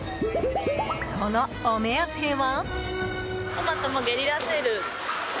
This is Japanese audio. そのお目当ては？